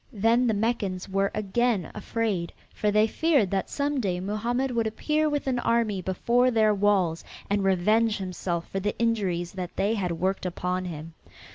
Then the Meccans were again afraid, for they feared that some day Mohammed would appear with an army before their walls and revenge himself for the injuries that they had worked upon him.